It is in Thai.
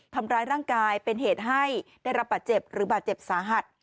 ทำร้ายร่างกายเป็นเหตุให้ได้รับบาดเจ็บหรือบาดเจ็บสาหัส